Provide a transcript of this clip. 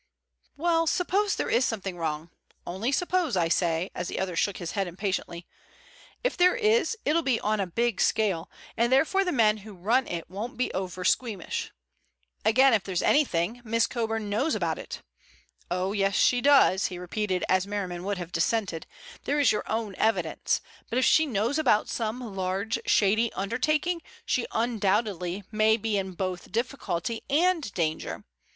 "Well, suppose there is something wrong—only suppose, I say," as the other shook his head impatiently. "If there is, it'll be on a big scale, and therefore the men who run it won't be over squeamish. Again, if there's anything, Miss Coburn knows about it. Oh, yes, she does," he repeated as Merriman would have dissented, "there is your own evidence. But if she knows about some large, shady undertaking, she undoubtedly may be in both difficulty and danger.